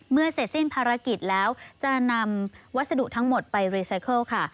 เสร็จสิ้นภารกิจแล้วจะนำวัสดุทั้งหมดไปรีไซเคิลค่ะ